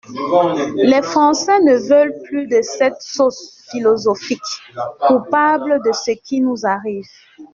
Les Français ne veulent plus de cette sauce philosophique coupable de ce qui nous arrive.